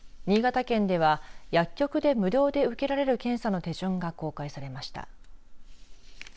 新潟県では薬局で無料で受けられる検査の手順が公開されました。